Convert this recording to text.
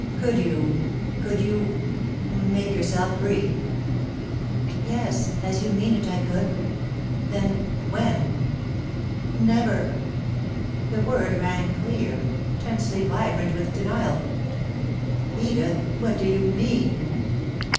"Could you could you make yourself free?" "Yes, as you mean it, I could." "Then when?" "Never!" The word rang clear, tensely vibrant with denial. "Edith! What do you mean?"